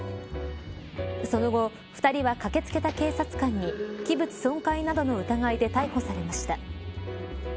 その後２人は駆け付けた警察官に器物損壊などの疑いで逮捕されました。